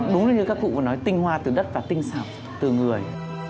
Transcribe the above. đúng như các cụ vừa nói tinh hoa từ đất và tinh xảo từ người